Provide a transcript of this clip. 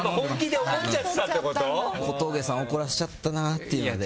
小峠さん、怒らせちゃったなっていうので。